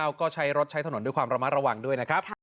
แล้วก็ใช้รถใช้ถนนด้วยความระมัดระวังด้วยนะครับ